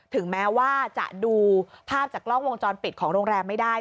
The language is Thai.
ถึงแม้ว่าจะดูภาพจากกล้องวงจรปิดของโรงแรมไม่ได้